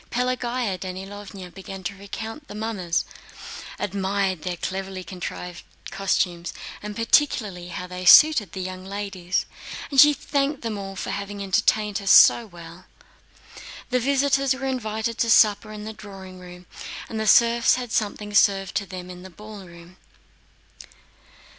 Pelagéya Danílovna began to recognize the mummers, admired their cleverly contrived costumes, and particularly how they suited the young ladies, and she thanked them all for having entertained her so well. The visitors were invited to supper in the drawing room, and the serfs had something served to them in the ballroom.